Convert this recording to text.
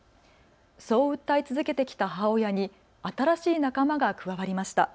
そう訴え続けてきた母親に新しい仲間が加わりました。